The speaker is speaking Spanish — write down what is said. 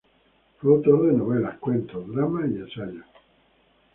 Fue autor de novelas, cuentos, dramas y ensayos.